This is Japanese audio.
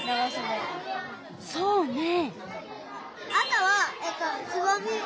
そうね。